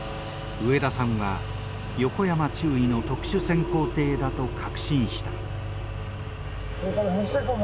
植田さんは横山中尉の特殊潜航艇だと確信した。